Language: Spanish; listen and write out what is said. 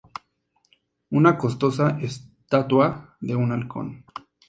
Una costosa estatua de un halcón.